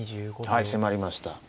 はい迫りました。